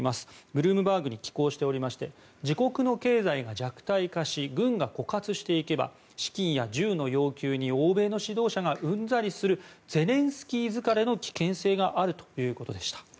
ブルームバーグに寄稿していまして自国の経済が弱体化して軍が枯渇していけば資金や銃の要求に欧米の指導者がうんざりするゼレンスキー疲れの危険性があるということでした。